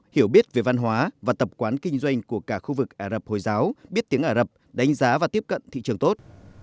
hiểu biết về văn hóa và tập quán kinh doanh của cả khu vực ả rập hồi giáo biết tiếng ả rập đánh giá và tiếp cận thị trường tốt